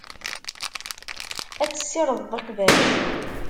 Ad tessirdeḍ iqbac.